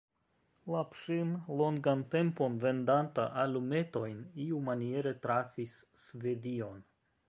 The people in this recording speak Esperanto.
Lapŝin, longan tempon vendanta alumetojn, iumaniere trafis Svedion.